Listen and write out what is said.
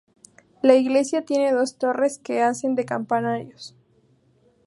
La iglesia tiene dos torres que hacen de campanarios.